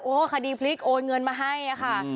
คดีพลิกโอนเงินมาให้ค่ะ